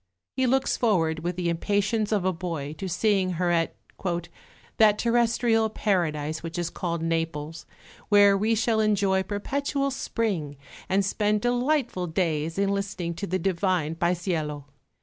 He looks forward with the impatience of a boy to seeing her at "that terrestrial paradise which is called Naples, where we shall enjoy perpetual spring and spend delightful days in listening to the divine Paesiello.